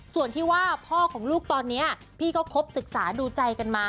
ส่วนที่ว่าพ่อของลูกตอนนี้พี่ก็คบศึกษาดูใจกันมา